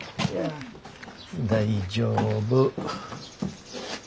大丈夫。